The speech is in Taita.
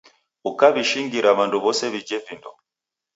Ukaw'ishingira w'andu wose w'ije vindo